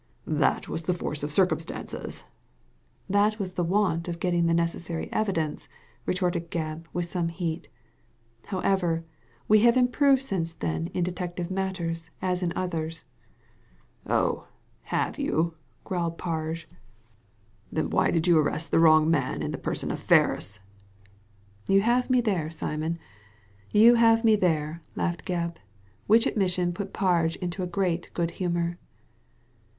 " That was the force of circumstances." " It was the want of getting the necessary evidence," retorted Gebb, with some heat. " However, we have improved since then in detective matters, as in others." "Oh, have you?" growled Parge. "Then why Digitized by Google 2/6 THE LADY FROM NOWHERE did you arrest the wrong man in the person of Ferris?" " You have me there, Simon, you have me there," laughed Gebb; which admission put Parge into great good humour.